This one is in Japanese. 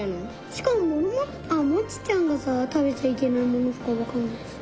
しかもモルモッあっモチちゃんがさたべちゃいけないものとかわかんないし。